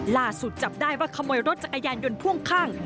ล่าสุดจับได้ว่าขโมยรถจากอาญานยนต์พ่วงข้าง